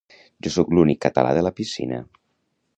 Jo sóc l'únic català de la piscina